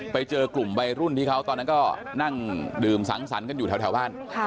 ไปเจอกลุ่มวัยรุ่นที่เขาตอนนั้นก็นั่งดื่มสังสรรค์กันอยู่แถวบ้าน